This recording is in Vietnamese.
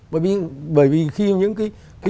bởi vì khi những cái